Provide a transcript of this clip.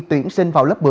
tuyển sinh vào lớp một mươi